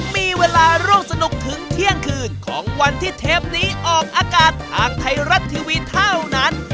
มีเวลาร่วมสนุกถึงเที่ยงคืนของวันที่เทปนี้ออกอากาศทางไทยรัฐทีวีเท่านั้น